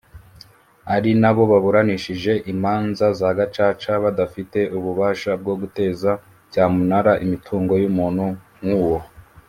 ari na bo baburanishije imanza za Gacaca badafite ububasha bwo guteza cyamunara imitungo y’umuntu nk’uwo